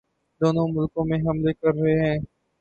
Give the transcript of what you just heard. دونوں ملکوں میں حملے کررہے ہیں